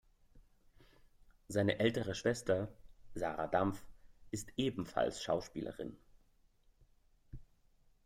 Seine ältere Schwester Sarah Dampf ist ebenfalls Schauspielerin.